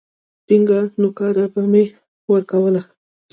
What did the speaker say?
ټينگه نوکاره به مې ورولگوله.